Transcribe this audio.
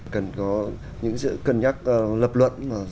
cần có những sự cân nhắc lập luận